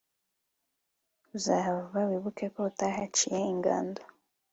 Uzahava wibuke ko utahaciye ingando